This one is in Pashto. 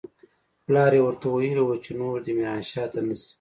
پلار يې ورته ويلي و چې نور دې ميرانشاه نه ځي.